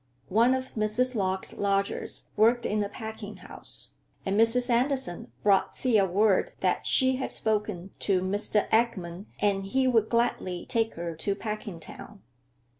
One of Mrs. Lorch's lodgers worked in a packing house, and Mrs. Andersen brought Thea word that she had spoken to Mr. Eckman and he would gladly take her to Packingtown.